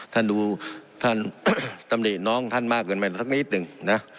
ท่านดูท่านตำหนิน้องท่านมากเกินไปสักนิดหนึ่งนะ